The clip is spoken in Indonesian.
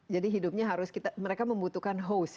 jadi hidupnya harus kita mereka membutuhkan host